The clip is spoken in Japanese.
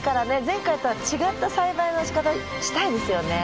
前回とは違った栽培のしかたしたいですよね。